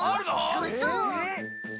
そうそう。